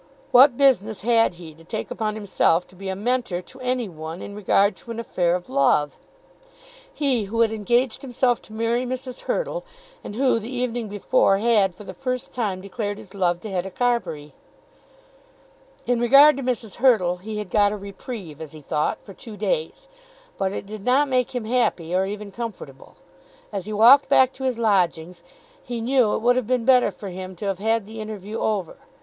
What business had he to take upon himself to be a Mentor to any one in regard to an affair of love; he, who had engaged himself to marry Mrs. Hurtle, and who the evening before had for the first time declared his love to Hetta Carbury? In regard to Mrs. Hurtle he had got a reprieve, as he thought, for two days; but it did not make him happy or even comfortable. As he walked back to his lodgings he knew it would have been better for him to have had the interview over.